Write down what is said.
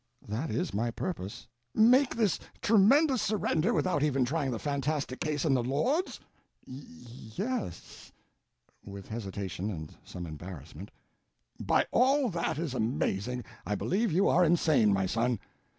"That is my purpose." "Make this tremendous surrender without even trying the fantastic case in the Lords?" "Ye—s—" with hesitation and some embarrassment. "By all that is amazing, I believe you are insane, my son.